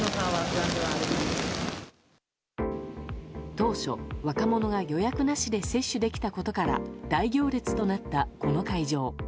当初、若者が予約なしで接種できたことから大行列となったこの会場。